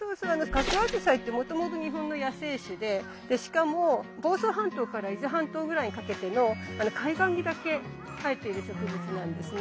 ガクアジサイってもともと日本の野生種でしかも房総半島から伊豆半島ぐらいにかけての海岸にだけ生えている植物なんですね。